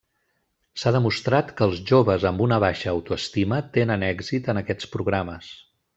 S'ha demostrat que els joves amb una baixa autoestima tenen èxit en aquests programes.